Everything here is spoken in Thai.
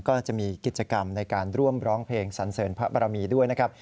ก็จะมีกิจกรรมในการร่วมร้องเพลงสันเสริญพระบรมีด้วยนะครับ